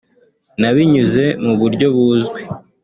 nabinyuze mu buryo buzwi